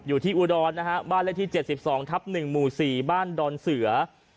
อุดรนะฮะบ้านเลขที่๗๒ทับ๑หมู่๔บ้านดอนเสือ